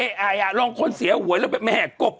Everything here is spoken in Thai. เอ๊ะไออ่ะลองคนเสียหัวแล้วไปแม่กบ